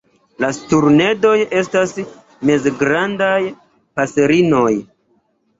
La sturnedoj estas mezgrandaj paserinoj.